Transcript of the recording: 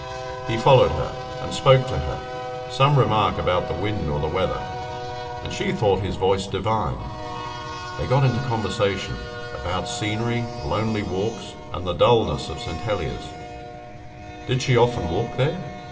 He followed her, and spoke to her some remark about the wind or the weather and she thought his voice divine. They got into conversation about scenery, lonely walks, and the dullness of St. Heliers. "Did she often walk there?"